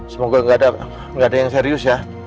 semoga nggak ada yang serius ya